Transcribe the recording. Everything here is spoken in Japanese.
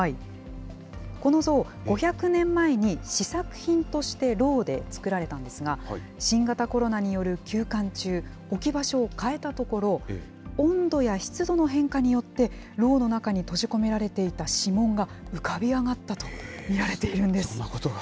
この像、５００年前に試作品としてろうで作られたんですが、新型コロナによる休館中、置き場所を変えたところ、温度や湿度の変化によって、ろうの中に閉じ込められていた指紋が浮かび上がったと見られていそんなことが。